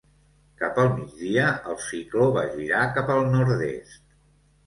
Cap al migdia, el cicló va girar cap al nord-est.